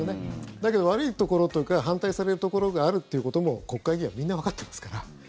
だけど、悪いところというか反対されるところがあるということも、国会議員はみんなわかってますから。